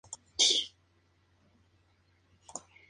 La fachada es sobria, remarcando la entrada.